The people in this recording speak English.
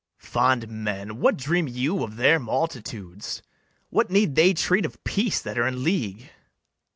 BARABAS. Fond men, what dream you of their multitudes? What need they treat of peace that are in league?